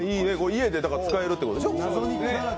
家で使えるってことでしょ。